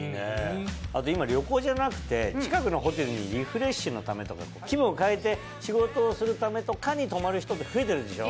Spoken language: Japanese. あと今旅行じゃなくて近くのホテルにリフレッシュのためとか気分を変えて仕事をするためとかに泊まる人って増えてるでしょ？